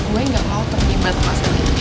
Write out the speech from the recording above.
gue nggak mau terima masalah ini